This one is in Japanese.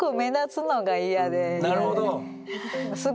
なるほど。